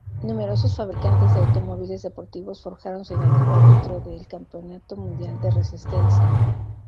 Numerosos fabricantes de automóviles deportivos forjaron su identidad dentro del Campeonato Mundial de Resistencia.